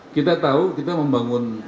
kita tahu kita membangun